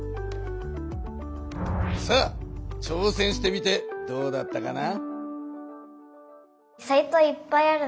さあちょうせんしてみてどうだったかな？